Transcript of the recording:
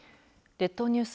列島ニュース